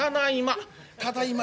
「ただいま」。